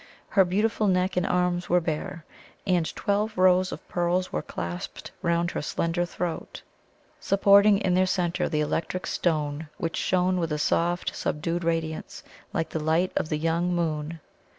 Her beautiful neck and arms were bare, and twelve rows of pearls were clasped round her slender throat, supporting in their centre the electric stone, which shone with a soft, subdued radiance, like the light of the young moon.